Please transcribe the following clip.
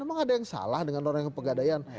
memang ada yang salah dengan orang yang pegadaian